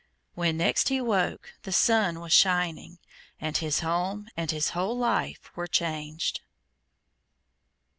When next he woke the sun was shining, and his home and his whole life were changed.